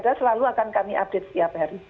saya selalu akan kami update setiap hari